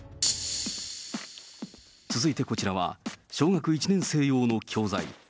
続いてこちらは、小学１年生用の教材。